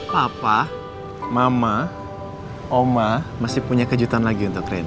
papa mama oma masih punya kejutan lagi untuk rain